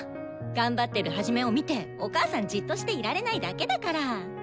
頑張ってるハジメを見てお母さんじっとしていられないだけだから！